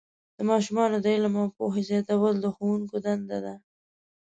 د ماشومانو د علم او پوهې زیاتول د ښوونکو دنده ده.